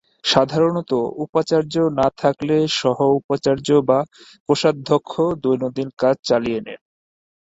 সাধারণত উপাচার্য না থাকলে সহ উপাচার্য বা কোষাধ্যক্ষ দৈনন্দিন কাজ চালিয়ে নেন।